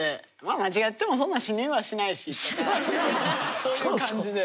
間違ってもそんな死にはしないしとかそういう感じで。